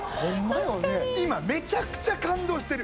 今めちゃくちゃ感動してる。